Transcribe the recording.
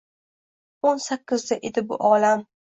O’n sakkizda edi bu olam.